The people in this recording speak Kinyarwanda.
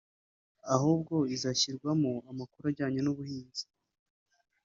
ahubwo izanashyirwamo amakuru ajyanye n’ubuhinzi